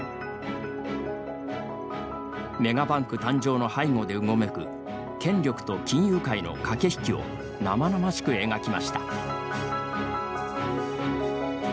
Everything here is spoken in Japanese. メガバンク誕生の背後でうごめく権力と金融界の駆け引きを生々しく描きました。